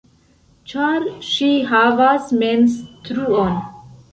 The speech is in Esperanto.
Ĉar ŝi havas mens-truon.